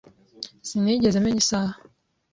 Sinigeze menya isaha.